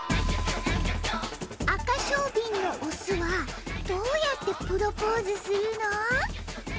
アカショウビンのオスはどうやってプロポーズするの？